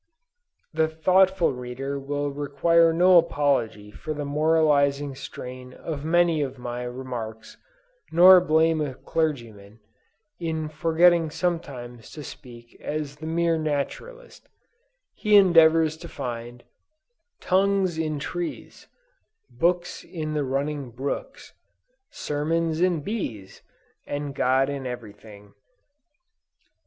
The thoughtful reader will require no apology for the moralizing strain of many of my remarks, nor blame a clergyman, if forgetting sometimes to speak as the mere naturalist, he endeavors to find, "Tongues in trees, books in the running brooks, Sermons in 'bees,' and 'GOD' in every thing."